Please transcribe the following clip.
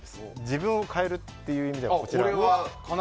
自分を変えるという意味ではこちらのほうが。